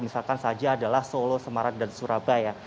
misalkan saja adalah solo semarang dan surabaya